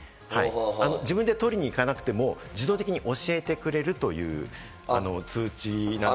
自分で取りに行かなくても自動的に教えてくれるという通知なんです。